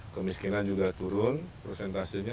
kemiskinan juga turun prosentasinya